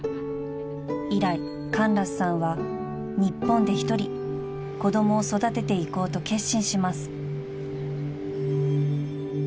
［以来カンラスさんは日本で１人子供を育てていこうと決心します］